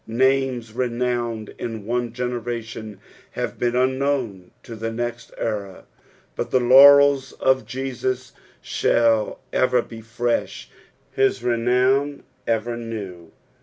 Names renowned in one generation hare been un known to the next era, but the laurels of Jesus shall erer bo fresh, his renown ever new.